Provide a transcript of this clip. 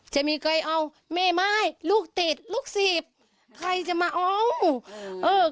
จะมีใครเอาแม่ไม้ลูกติดลูกสิบใครจะมาเอาเออ